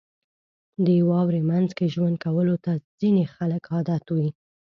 • د واورې مینځ کې ژوند کولو ته ځینې خلک عادت وي.